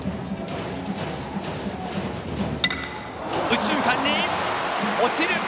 右中間に落ちる。